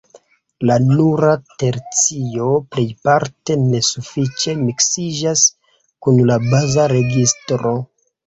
La nura tercio plejparte ne sufiĉe miksiĝas kun la baza registro.